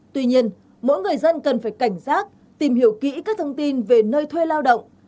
tuy nhiên mỗi người dân cần phải cảnh giác tìm hiểu kỹ các thông tin về nơi thuê lao động